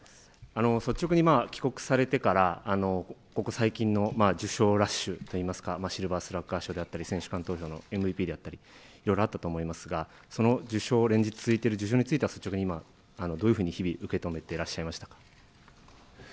率直に帰国されてからここ最近、受賞ラッシュといいますか、シルバースラッガー賞であったり選手間投票のＭＶＰであったり、いろいろあったと思いますが、その連日続いている受賞については、率直に今どういうふうに日々受け止めていらっしゃいましたか。